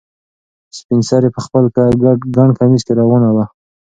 سپین سرې په خپل ګڼ کمیس کې روانه وه.